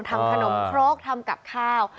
ทำขนมครกทำกับข้าว